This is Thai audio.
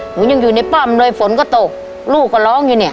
หนูยังอยู่ในป้อมเลยฝนก็ตกลูกก็ร้องอยู่เนี่ย